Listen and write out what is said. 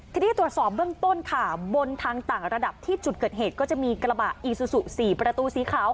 ทีนี้ตรวจสอบเบื้องต้นค่ะบนทางต่างระดับที่จุดเกิดเหตุก็จะมีกระบะอีซูซู๔ประตูสีขาว